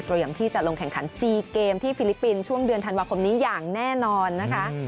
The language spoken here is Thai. ที่จะลงแข่งขัน๔เกมที่ฟิลิปปินส์ช่วงเดือนธันวาคมนี้อย่างแน่นอนนะคะ